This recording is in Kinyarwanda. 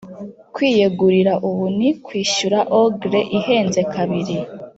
kwiyegurira ubu ni kwishyura ogre ihenze kabiri.